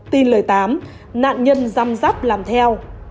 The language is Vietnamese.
tin lời tám nạn nhân râm rạp làm theo